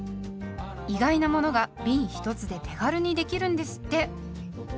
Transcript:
意外なものがびん１つで手軽にできるんですって。